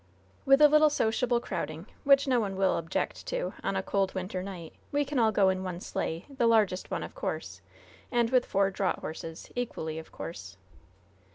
"With a little sociable crowding, which no one will object to on a cold winter night, we can all go in one sleigh the largest one, of course, and with four draught horses, equally of course."